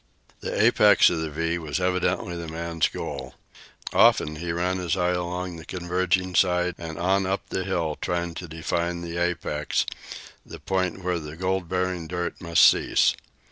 The apex of the "V" was evidently the man's goal. Often he ran his eye along the converging sides and on up the hill, trying to divine the apex, the point where the gold bearing dirt must cease.